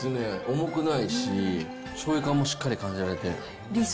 重くないし、しょうゆ感もしっかり感じられて。